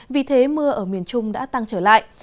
vì thế mưa ở miền trung đã tăng trở lại